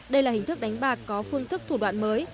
đây là hình thức đánh bạc có phương thức thủ đoạn mới